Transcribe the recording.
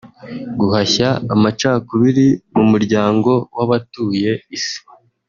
guhashya amacakubiri mu muryango w’abatuye Isi